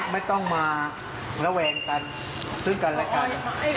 ไม่ต้องมาระแวงกันซึ่งกันและกัน